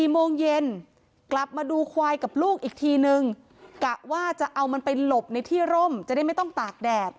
โมงเย็นกลับมาดูควายกับลูกอีกทีนึงกะว่าจะเอามันไปหลบในที่ร่มจะได้ไม่ต้องตากแดด